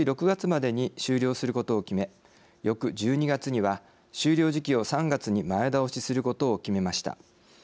６月までに終了することを決め翌１２月には、終了時期を３月に前倒しすることを決めました。